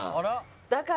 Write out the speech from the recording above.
だから。